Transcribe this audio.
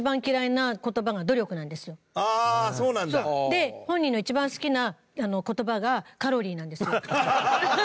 で本人の一番好きな言葉がカロリーなんですよ。